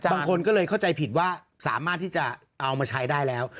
บางคนก็เลยเข้าใจผิดว่าสามารถที่จะเอามาใช้ได้แล้ว